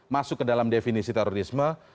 masuk ke dalam definisi terorisme